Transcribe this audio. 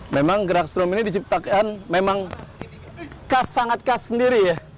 memang gerak strung ini diciptakan memang sangat sangat sendiri